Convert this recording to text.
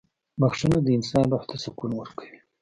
• بخښنه د انسان روح ته سکون ورکوي.